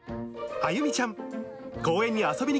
あゆみちゃん。